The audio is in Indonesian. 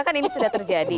kan ini sudah terjadi